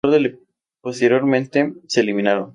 Posteriormente, se eliminaron.